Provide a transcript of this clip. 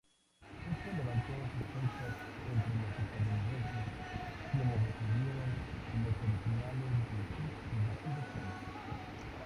Esto levantó sospechas entre los estadounidenses, quienes retuvieron los originales de sus investigaciones.